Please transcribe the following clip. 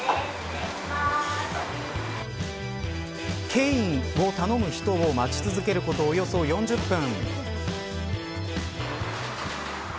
ケインを頼む人を待ち続けることおよそ４０分。